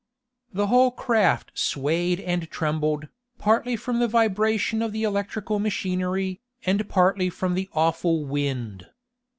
The whole craft swayed and trembled, partly from the vibration of the electrical machinery, and partly from the awful wind.